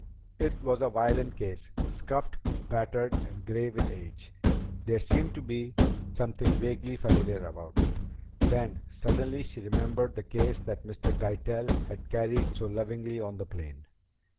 It was a violin case, scuffed, battered, and gray with age. There seemed to be something vaguely familiar about it; then, suddenly, she remembered the case that Mr. Tytell had carried so lovingly on the plane.